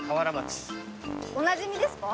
おなじみですか？